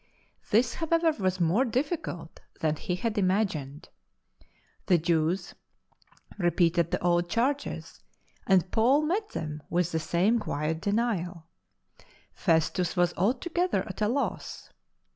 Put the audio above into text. This, however, was more difficult than he a imagined. The Jews repeated the old charges, and Paul met them with the same quiet denial Festus was altogether at a loss.